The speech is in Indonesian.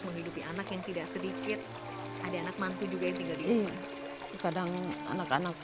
menghidupi anak yang tidak sedikit ada anak mantu juga yang tinggal di umur kadang anak anak